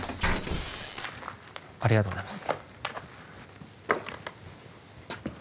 ありがとうございます。